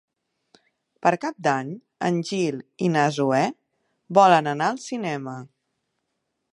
Per Cap d'Any en Gil i na Zoè volen anar al cinema.